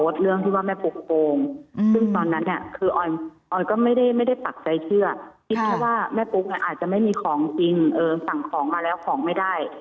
เดี๋ยวออยจะหาให้เดี๋ยวออยจะขอคิวให้